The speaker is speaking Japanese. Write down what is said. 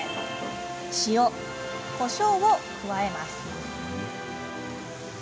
塩、こしょうを加えます。